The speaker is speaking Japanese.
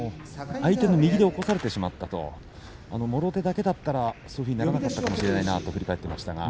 相手の右で起こされてしまったともろ手だけだったらそういうことにならなかったかもしれないなと言っていました